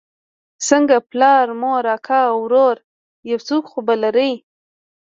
څنگه پلار مور اکا ورور يو څوک خو به لرې.